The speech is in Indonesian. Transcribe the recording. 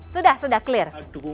sudah sudah clear